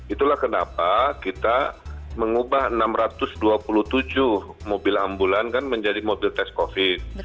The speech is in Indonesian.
itulah kenapa kita mengubah enam ratus dua puluh tujuh mobil ambulan kan menjadi mobil tes covid